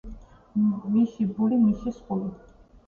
მიში ბული მიში სხული!